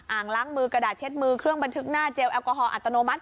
ล้างมือกระดาษเช็ดมือเครื่องบันทึกหน้าเจลแอลกอฮอลอัตโนมัติ